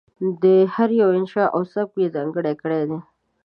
د هر یوه انشأ او سبک یې ځانګړی کړی دی.